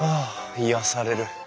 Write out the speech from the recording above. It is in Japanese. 癒やされる。